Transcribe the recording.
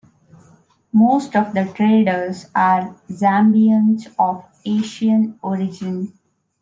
Most of the traders are Zambians of Asian origin.